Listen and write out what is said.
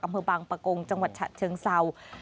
อำเภอบางปะกงจังหวัดฉะเชิงเศร้า